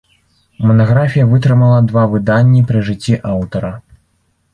Манаграфія вытрымала два выданні пры жыцці аўтара.